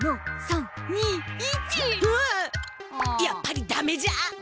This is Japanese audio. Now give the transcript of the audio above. やっぱりダメじゃ！